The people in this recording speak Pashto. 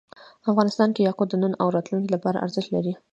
افغانستان کې یاقوت د نن او راتلونکي لپاره ارزښت لري.